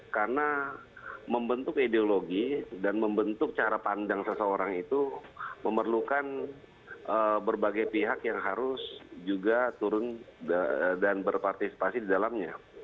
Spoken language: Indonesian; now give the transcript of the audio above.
karena membentuk ideologi dan membentuk cara pandang seseorang itu memerlukan berbagai pihak yang harus juga turun dan berpartisipasi di dalamnya